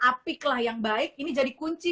apik lah yang baik ini jadi kunci